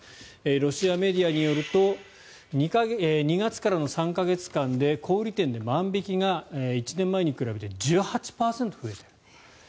ロシアメディアによると２月からの３か月間で小売店で万引きが１年前に比べて１８％増えていると。